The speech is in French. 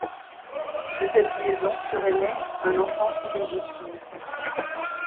De cette liaison serait né un enfant illégitime.